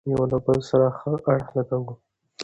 يو له بل سره ښه اړخ لګوو،